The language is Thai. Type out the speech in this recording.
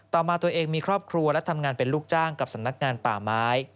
มาตัวเองมีครอบครัวและทำงานเป็นลูกจ้างกับสำนักงานป่าไม้